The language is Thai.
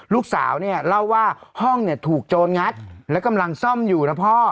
ลูกสาวเนี่ยเล่าว่าห้องเนี่ยถูกโจรงัดและกำลังซ่อมอยู่นะพ่อ